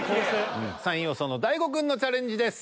３位予想の大悟くんのチャレンジです！